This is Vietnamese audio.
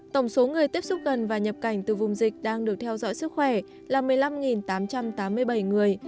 tổng số người tiếp xúc gần và nhập cảnh từ vùng dịch đang được theo dõi sức khỏe là một mươi năm tám trăm tám mươi bảy người